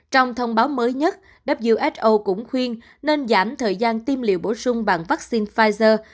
trong thông báo mới nhất who cũng khuyên nên giảm thời gian tiêm liều bổ sung bằng vaccine pfizer